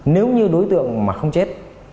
nếu như đối tượng mà không chết